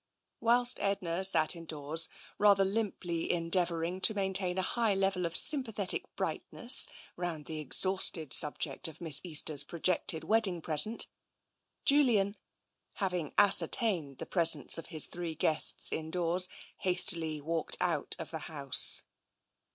Whilst Edna sat indoors, rather limply endeavouring to maintain a high level of sympathetic brightness round the exhausted subject of Miss Easter's projected wedding present, Julian, having ascertained the pres ence of his three guests indoors, hastily walked out of the house.